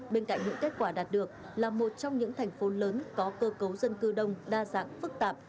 bên cạnh những kết quả đạt được là một trong những thành phố lớn có cơ cấu dân cư đông đa dạng phức tạp